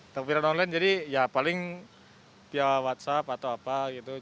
takbiran online jadi ya paling via whatsapp atau apa gitu